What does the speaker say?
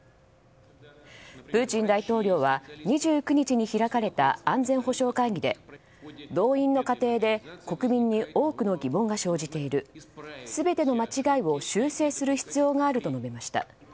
プーチン大統領は２９日に開かれた安全保障会議で動員の過程で国民に多くの疑問が生じている全ての間違いを修正する必要があると述べました。